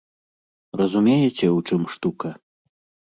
Разумееце, у чым штука?